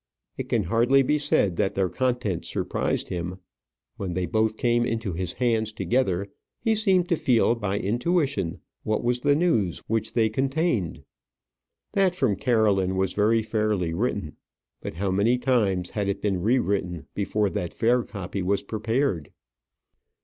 It can hardly be said that their contents surprised him. When they both came into his hands together, he seemed to feel by intuition what was the news which they contained. That from Caroline was very fairly written. But how many times had it been rewritten before that fair copy was prepared?